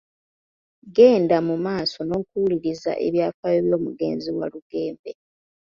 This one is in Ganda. Genda mu maaso n'okuwuliriza ebyafaayo by'omugenzi Walugembe.